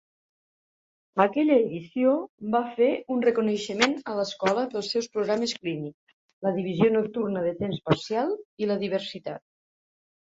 Aquella edició va fer un reconeixement a l'Escola pels seus programes clínics, la divisió nocturna de temps parcial i la diversitat.